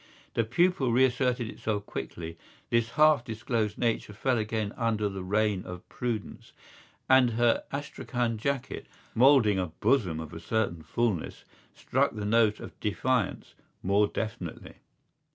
The pupil reasserted itself quickly, this half disclosed nature fell again under the reign of prudence, and her astrakhan jacket, moulding a bosom of a certain fullness, struck the note of defiance more definitely.